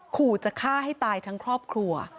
ขู่จะฆ่าให้ตายทั้งครอบครัว